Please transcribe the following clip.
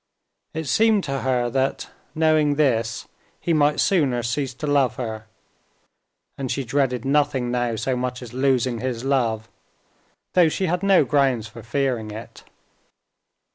It seemed to her that, knowing this, he might sooner cease to love her; and she dreaded nothing now so much as losing his love, though she had no grounds for fearing it.